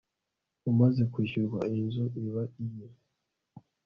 umaze kwishyurwa inzu iba iye